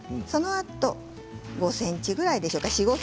そのあと５ｃｍぐらいですかね